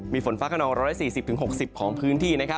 มีฝนฟ้าขนอง๑๔๐๖๐ของพื้นที่